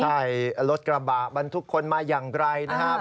ใช่รถกระบะบรรทุกคนมาอย่างไกลนะครับ